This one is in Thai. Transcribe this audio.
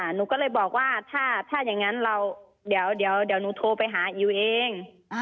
หนูก็เลยบอกว่าถ้าอย่างนั้นเราเดี๋ยวหนูโทรไปหาอิ๋วเอง